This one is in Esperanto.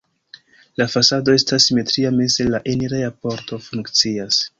La fasado estas simetria, meze la enireja pordo funkcias.